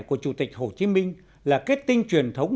của chủ tịch hồ chí minh là kết tinh truyền thống